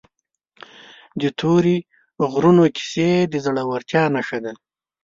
د تورې غرونو کیسه د زړه ورتیا نښه ده.